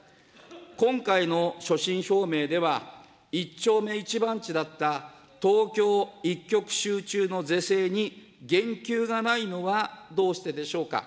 今回の所信表明では、一丁目一番地だった東京一極集中の是正に言及がないのはどうしてでしょうか。